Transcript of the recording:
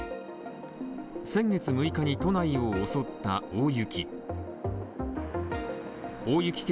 先月６日に都内を襲った大雪。